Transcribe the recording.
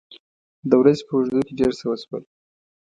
د ورځې په اوږدو کې ډېر څه وشول.